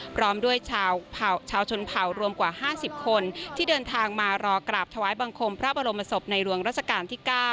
พร้อมด้วยชาวชนเผ่ารวมกว่า๕๐คนที่เดินทางมารอกราบถวายบังคมพระบรมศพในหลวงราชการที่๙